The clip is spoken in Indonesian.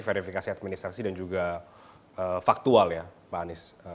verifikasi administrasi dan juga faktual ya pak anies